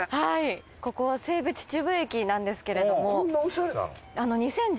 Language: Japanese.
ここは西武秩父駅なんですけれども。